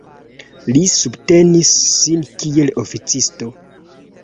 Li subtenis sin kiel oficisto.